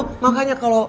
apalah enak aja lo